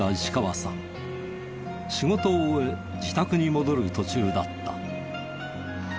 仕事を終え自宅に戻る途中だった。